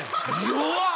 弱っ！